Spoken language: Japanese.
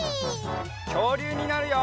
きょうりゅうになるよ！